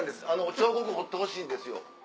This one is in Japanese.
彫刻彫ってほしいんですよ。